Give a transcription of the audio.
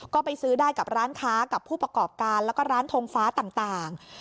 ก็ไปซื้อได้กับร้านค้ากับผู้ประกอบการแล้วก็ร้านทงฟ้าต่าง